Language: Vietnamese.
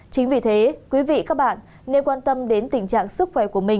chính vì thế quý vị các bạn nên quan tâm đến tình trạng sức khỏe